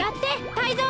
タイゾウ！